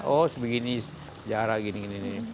oh sebegini sejarah gini gini nih